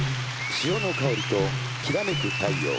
潮の香りときらめく太陽。